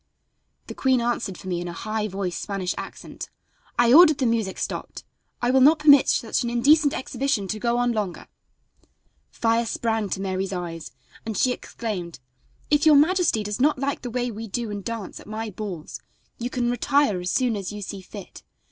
The queen answered for me in a high voiced Spanish accent: "I ordered the music stopped; I will not permit such an indecent exhibition to go on longer." Fire sprang to Mary's eyes and she exclaimed: "If your majesty does not like the way we do and dance at my balls you can retire as soon as you see fit.